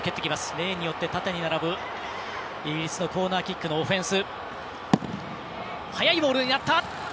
例によって縦に並ぶイギリスのコーナーキックのオフェンス。